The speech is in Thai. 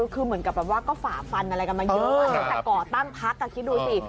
คือเหมือนกับแบบว่าก็ฝ่าฟันอะไรกันมาเยอะตั้งแต่ก่อตั้งพักคิดดูสิ